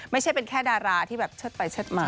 ไม่ใช่เป็นแค่ดาราที่แบบเชิดไปเชิดมา